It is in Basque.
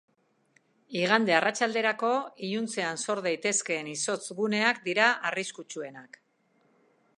Igande arratsalderako, iluntzean sor daitezkeen izotz guneak dira arriskutsuenak.